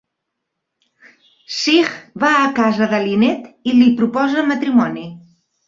Sig va a casa de Lynette i li proposa matrimoni.